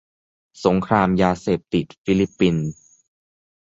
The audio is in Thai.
-สงครามยาเสพติด ฟิลิปปินส์